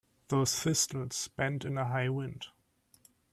Those thistles bend in a high wind.